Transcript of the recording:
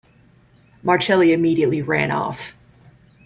Marcelli immediately ran off.